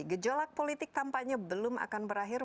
gejolak politik tampaknya belum akan berakhir